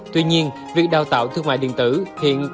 tuy nhiên việc đào tạo thương mại điện tử hiện